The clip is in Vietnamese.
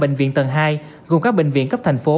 bệnh viện tầng hai gồm các bệnh viện cấp thành phố